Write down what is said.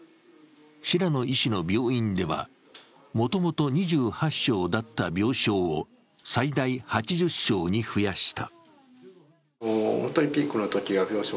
白野医師の病院では、もともと２８床だった病床を最大８０床に増やした。